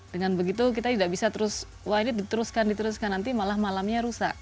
dengan begitu kita tidak bisa terus wah ini diteruskan diteruskan nanti malah malamnya rusak